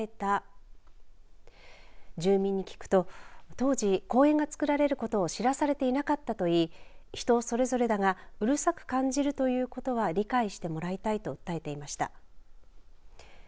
改善を訴えた住民に聞くと当時、公園が造られることを知らされていなかったといい人それぞれだがうるさく感じるということは理解してもらいたいと訴えていました。